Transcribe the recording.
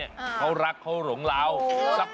อุ๊ยได้แล้วสีขาภาพ